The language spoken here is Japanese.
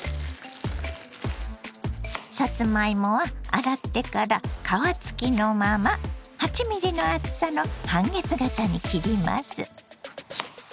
さつまいもは洗ってから皮付きのまま８ｍｍの厚さの半月形に切ります。